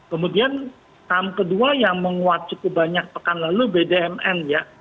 kemudian saham kedua yang menguat cukup banyak pekan lalu bdmn ya